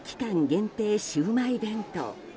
限定シウマイ弁当。